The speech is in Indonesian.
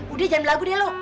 udeh jangan berlagu deh lo